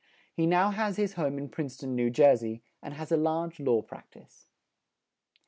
He now has his home in Prince ton, New Jer sey, and has a large law prac tise.